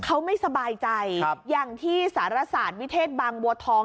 เขาไม่สบายใจอย่างที่สารศาสตร์วิเทศบางบัวทอง